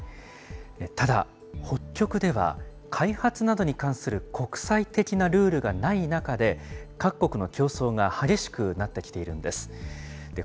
ただ、北極では、開発などに関する国際的なルールがない中で、各国の競争が激しくなってきているんです。